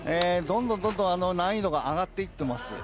難易度が上がっていっています。